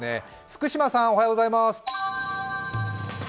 福島さんおはようございます。